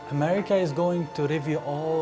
amerika akan meneliti semua